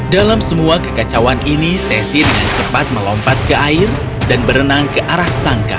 dalam semua kekacauan ini sesi dengan cepat melompat ke air dan berenang ke arah sangka